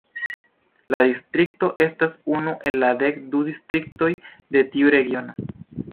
La distrikto estas unu el la dek du distriktoj de tiu Regiono.